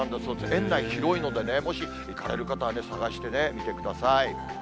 園内広いんでね、もし行かれる方は探してみてください。